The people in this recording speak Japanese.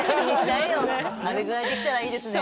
あれぐらいできたらいいですね。